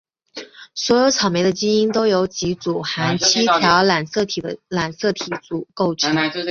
所有草莓的基因都由几组含七条染色体的染色体组构成。